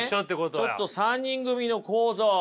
じゃあねちょっと３人組の構造。